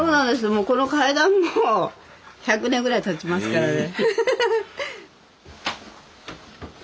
もうこの階段も１００年ぐらいたちますからね。